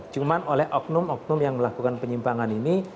cuman oleh oknum oknum yang melakukan penyimpangan ini